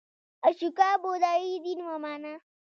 اشوکا بودایی دین ومانه.